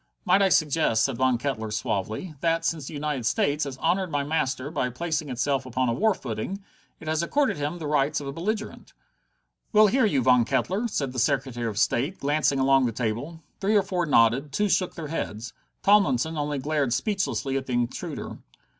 "Might I suggest," said Von Kettler suavely, "that, since the United States has honored my master by placing itself upon a war footing, it has accorded him the rights of a belligerent?" "We'll hear you, Mr. Von Kettler," said the Secretary of State, glancing along the table. Three or four nodded, two shook their heads: Tomlinson only glared speechlessly at the intruder.